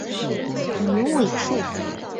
牛尾树